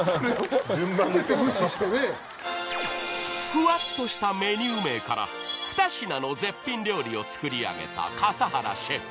［ふわっとしたメニュー名から２品の絶品料理を作り上げた笠原シェフ］